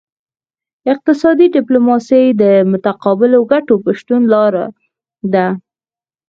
اقتصادي ډیپلوماسي د متقابلو ګټو په شتون ولاړه ده